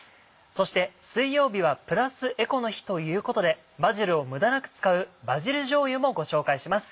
そして水曜日はプラスエコの日ということでバジルを無駄なく使う「バジルじょうゆ」もご紹介します。